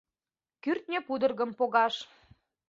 Кӱртньӧ пудыргым погаш